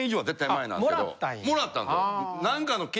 もらったんですよ。